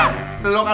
aku mau ke sana